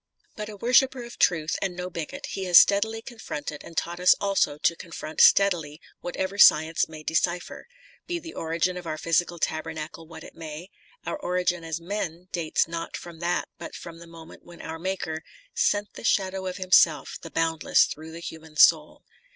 t But a worshipper of truth and no bigot, he has steadily confronted and taught us also to confront steadily whatever science may decipher ; be the origin of our physical tabernacle what it may, our '" In Memoriam," cxxiv. t Ibid, cixvi, cxxvii. TENNYSON 253 origin as men dates not from that but from the moment when our Maker Sent the shadow of Himself, the boundless, thro' the human soul.